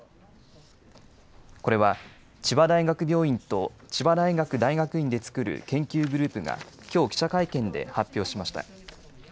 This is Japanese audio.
これは千葉大学病院と千葉大学大学院で作る研究グループがきょう記者会見で発表しました。